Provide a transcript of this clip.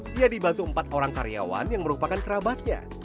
dia dibantu empat orang karyawan yang merupakan kerabatnya